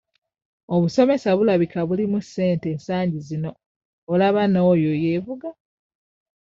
Obusomesa bulabika bulimu ssente ensangi zino olaba n'oyo yeevuga.